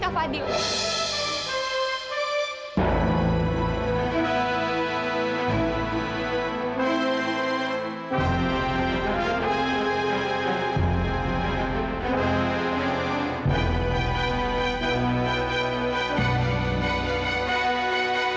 milih kak fadil